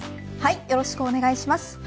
よろしくお願いします。